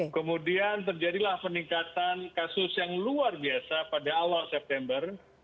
kemudian terjadilah peningkatan kasus yang luar biasa pada awal september